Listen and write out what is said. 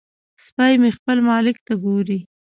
سپی مې خپل مالک ته ګوري.